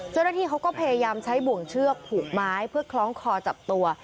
เจ้าหน้าที่เขาก็พยายามใช้บ่วงเชือกผูกไม้เพื่อคล้องคอจับตัว